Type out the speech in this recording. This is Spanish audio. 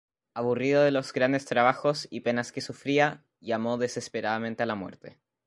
Aburrido de los grandes trabajos y penas que sufría, llamó desesperadamente a la muerte.